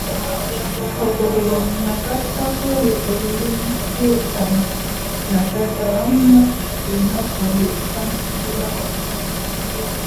Okwo bwe nagattako obulumi bw'obutaba na taata wamma ku lunaku olwo kyampitirirako.